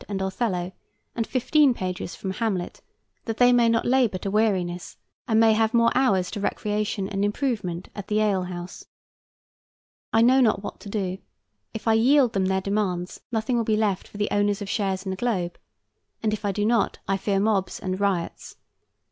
and "Othello," and fifteen pages from "Hamlet," that they may not labor to weariness, and may have more hours to recreation and improvement at the alehouse. I know not what to do. If I yield them their demands, nothing will be left for the owners of shares in the Globe; and if I do not, I fear mobs and riots.